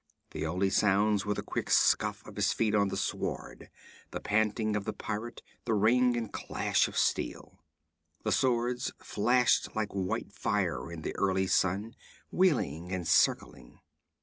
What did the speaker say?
The only sounds were the quick scuff of feet on the sward, the panting of the pirate, the ring and clash of steel. The swords flashed like white fire in the early sun, wheeling and circling.